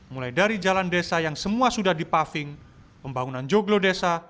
mulai dari jalan desa yang semua sudah dipaving pembangunan joglo desa